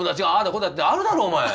こうだってあるだろお前！